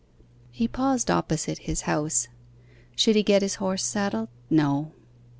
He paused opposite his house. Should he get his horse saddled? No.